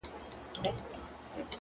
لکه لوبغاړی ضرورت کي په سر بال وهي;